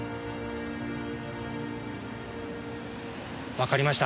わかりました。